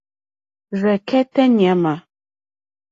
Rzɛ̀kɛ́tɛ́ ɲàmà.